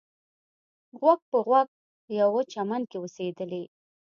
غوږ په غوږ یوه چمن کې اوسېدلې.